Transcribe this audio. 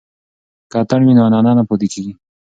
که اتڼ وي نو عنعنه نه پاتې کیږي.